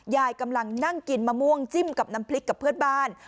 ยายกำลังนั่งกินมะม่วงจิ้มกับน้ำพริกกับเพื่อนบ้าน